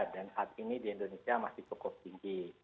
dan saat ini di indonesia masih cukup tinggi